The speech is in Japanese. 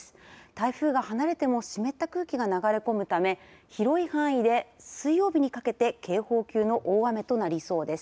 台風が離れても湿った空気が流れ込むため広い範囲で水曜日にかけて警報級の大雨となりそうです。